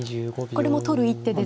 これも取る一手ですし。